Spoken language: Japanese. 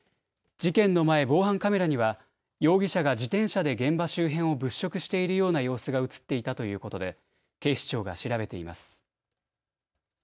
事件の前、防犯カメラには容疑者が自転車で現場周辺を物色しているような様子が写っていたということで警視庁が調べています。